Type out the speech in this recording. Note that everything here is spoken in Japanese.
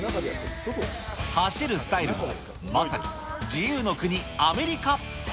走るスタイルも、まさに自由の国アメリカ。